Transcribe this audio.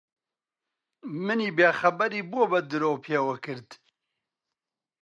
منی بێخەبەری بۆ بە درۆ پێوە کرد؟